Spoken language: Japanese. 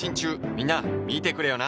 みんな見てくれよな